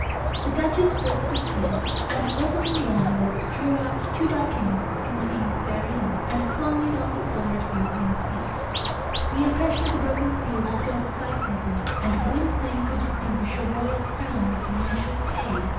The duchess broke the seal, and, opening the envelope, drew out two documents contained therein, and flung it on the floor at Gwynplaine's feet. The impression of the broken seal was still decipherable, and Gwynplaine could distinguish a royal crown over the initial A.